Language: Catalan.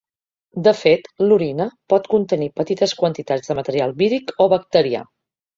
De fet, l’orina pot contenir petites quantitats de material víric o bacterià.